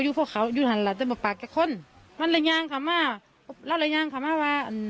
ซุ่มฮืนเขามีแต่พอเพลงเหมือนเดียว